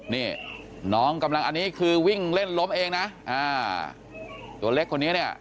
นี่น้องกำลังอันนี้คือวิ่งเล่นล้มเองนะอ่าตัวเล็กคนนี้เนี่ย